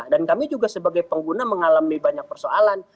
dan kami juga sebagai pengguna mengalami banyak persoalan